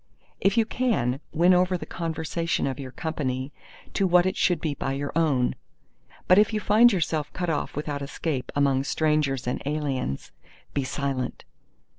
If you can, win over the conversation of your company to what it should be by your own. But if you find yourself cut off without escape among strangers and aliens, be silent.